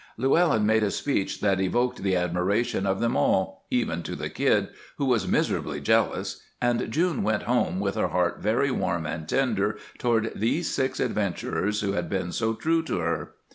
Llewellyn made a speech that evoked the admiration of them all, even to the Kid, who was miserably jealous, and June went home with her heart very warm and tender toward these six adventurers who had been so true to her.